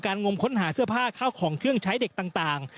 งมค้นหาเสื้อผ้าเข้าของเครื่องใช้เด็กต่าง